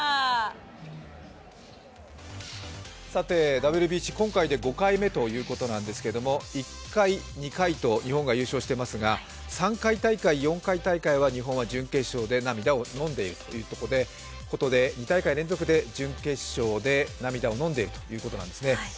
ＷＢＣ、今回で５回目ということなんですけど１回、２回と日本が優勝してますが３回大会４回大会は日本は準決勝で涙を飲んでいるということで、２大会連続で準決勝で涙をのんでいるということなんですね。